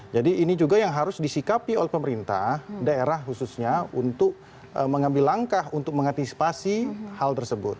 jadi ini juga yang harus disikapi oleh pemerintah daerah khususnya untuk mengambil langkah untuk mengantisipasi hal tersebut